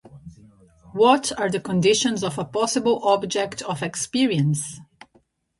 What are the conditions of a possible object of experience?